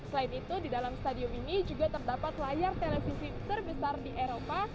selain itu di dalam stadium ini juga terdapat layar televisi terbesar di eropa